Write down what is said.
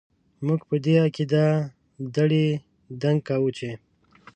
موږ په دې عقيده دړي دنګ کاوو چې ...